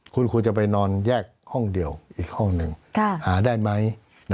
คุณควรจะไปนอนแยกห้องเดียวอีกห้องหนึ่งหาได้ไหม